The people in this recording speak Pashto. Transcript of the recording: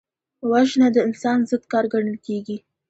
وژنه د انسان ضد کار ګڼل کېږي